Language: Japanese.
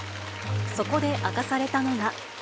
そこで明かされたのが。